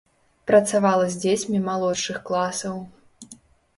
Працавала з дзецьмі малодшых класаў.